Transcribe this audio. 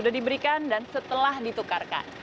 sudah diberikan dan setelah ditukarkan